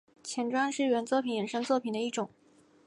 前传是原作品衍生作品的一种。